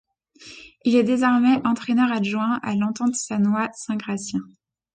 Il est désormais entraîneur adjoint à l'Entente Sannois Saint-Gratien.